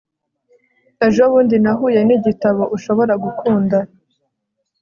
Ejobundi nahuye nigitabo ushobora gukunda